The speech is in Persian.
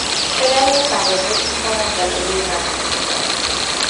پدر او را نوازش میکند و به روی زمین میگذارد